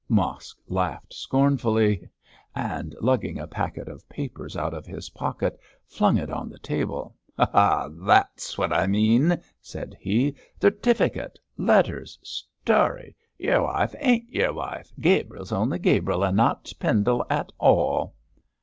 Mosk laughed scornfully, and lugging a packet of papers out of his pocket flung it on the table. 'That's what I mean,' said he; 'certif'cate! letters! story! Yer wife ain't yer wife; Gabriel's only Gabriel an' not Pendle at all!'